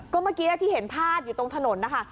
ก็เมื่อกี้ที่เห็นพาดอยู่ตรงถนนนะคะ